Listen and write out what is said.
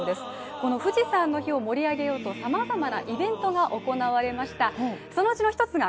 この富士山の日を盛り上げようと、さまざまなイベントが行われました。